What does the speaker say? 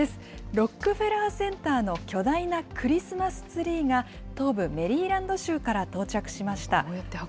ロックフェラーセンターの巨大なクリスマスツリーが、東部メリーランド州から到着しました。